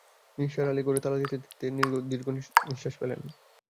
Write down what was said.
নিসার অলি ঘরে তালা দিতে-দিতে দীর্ঘনিঃশ্বাস ফেললেন।